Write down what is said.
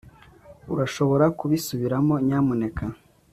urashobora kubisubiramo, nyamuneka